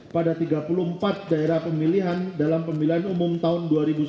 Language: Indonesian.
pada tiga puluh empat daerah pemilihan dalam pemilihan umum tahun dua ribu sembilan belas